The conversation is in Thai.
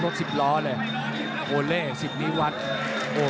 รถสิบล้อเลยโอเล่สิบนิวัตร